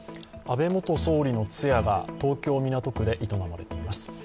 安倍元総理の通夜が東京・港区で営まれています。